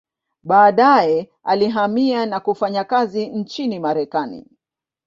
Baadaye alihamia na kufanya kazi nchini Marekani.